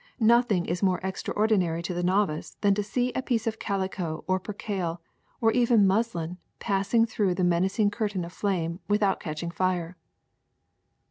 Nothing is more extraordinary to the novice than to see a piece of calico or percale or even muslin pass ing through the menacing curtain of flame without catching fire.''